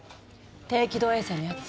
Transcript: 低軌道衛星のヤツ？